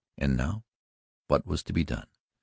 And now what was to be done?